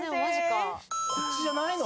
こっちじゃないの⁉